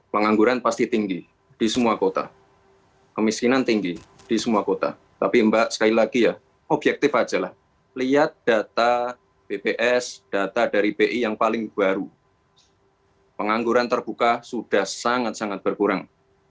pengangguran pasti tinggi di semua kota kemiskinan tinggi di semua kota tapi mbak sekali lagi ya objektif aja lah lihat data bps data dari bi yang paling baru pengangguran terbuka sudah sangat sangat berkurang